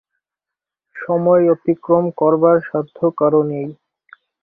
সময় অতিক্রম করবার সাধ্য কারো নেই।